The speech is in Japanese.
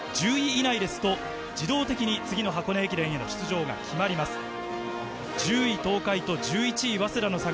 １０位以内ですと自動的に次の箱根駅伝への出場が決まります。